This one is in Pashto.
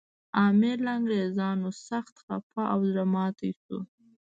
امیر له انګریزانو سخت خپه او زړه ماتي شو.